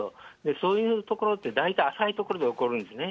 そういう所って大体浅い所で起こるんですね。